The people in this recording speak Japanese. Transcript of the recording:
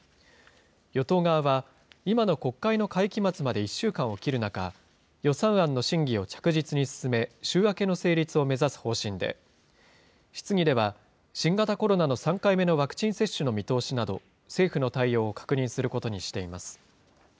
与党側は、今の国会の会期末まで１週間を切る中、予算案の審議を着実に進め、週明けの成立を目指す方針で、質疑では新型コロナの３回目のワクチン接種の見通しなど、政府の対応を確認することにしています。